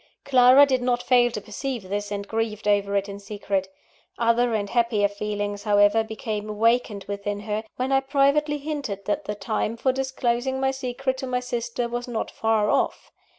Clara did not fail to perceive this, and grieved over it in secret. Other and happier feelings, however, became awakened within her, when I privately hinted that the time for disclosing my secret to my sister was not far off.